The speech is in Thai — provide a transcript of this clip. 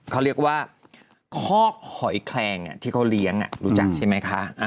เขาเรียกว่าคอกหอยแคลงที่เขาเลี้ยงรู้จักใช่ไหมคะ